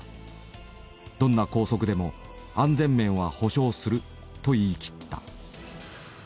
どんな高速でも安全面は保証すると言い切った。